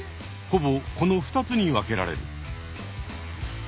ほぼこの２つに分けられる。